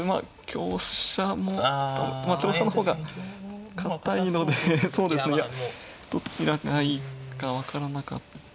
香車もまあ香車の方が堅いのでそうですねいやどちらがいいか分からなかった